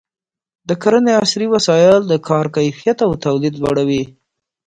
د کرنې عصري وسایل د کار کیفیت او تولید لوړوي.